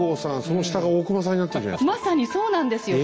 その下が大隈さんになってるじゃないですか。